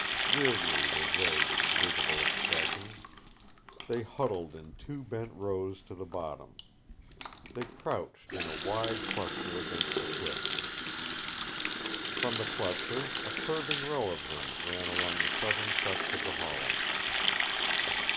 Weirdly were they its visible expression. They huddled in two bent rows to the bottom. They crouched in a wide cluster against the cliffs. From the cluster a curving row of them ran along the southern crest of the hollow.